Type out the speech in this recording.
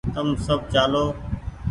تم سب چآلو